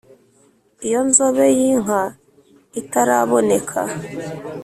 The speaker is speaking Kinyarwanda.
iyo nzobe y'inka itaraboneka